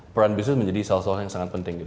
peran bisnis menjadi salah satu yang sangat penting gitu